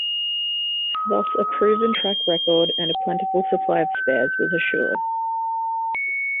Thus a proven track record and a plentiful supply of spares was assured.